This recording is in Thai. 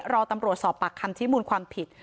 รอตำรวจสอบปากคำชี้มูลความผิด